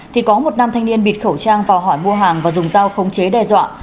thì có một nam thanh niên bịt khẩu trang vào hỏi mua hàng và dùng dao khống chế đe dọa